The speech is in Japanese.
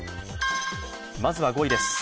まずは５位です。